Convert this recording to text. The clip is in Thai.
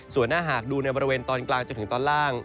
ส่วนถ้าหากดูในบริเวณตอนกลางจนถึงตอนล่าง